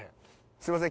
すいません